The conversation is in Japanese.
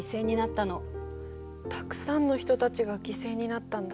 たくさんの人たちが犠牲になったんだ。